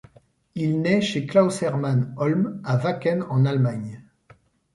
Il naît chez Klaus-Hermann Hollm à Wacken en Allemagne.